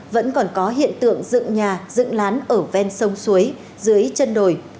vẫn còn có hiện tượng dựng nhà dựng lán ở ven sông suối dưới chân đồi